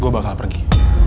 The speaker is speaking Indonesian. gua bakal pergi